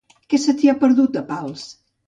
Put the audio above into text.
Què se t'hi ha perdut, a Pals?